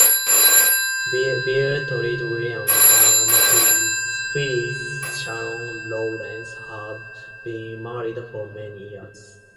Bill (Treat Williams) and Phylis (Sharon Lawrence) have been married for many years.